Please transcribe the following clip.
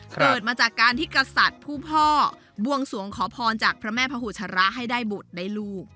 เกิดมาจากการที่กษัตริย์ผู้พ่อบวงสวงขอพรจากพระแม่พระหูชระให้ได้บุตรได้ลูก